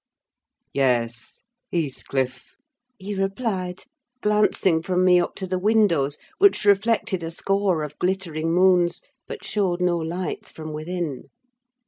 "Yes, Heathcliff," he replied, glancing from me up to the windows, which reflected a score of glittering moons, but showed no lights from within.